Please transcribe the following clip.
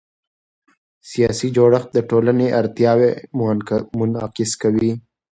سیاسي جوړښت د ټولنې اړتیاوې منعکسوي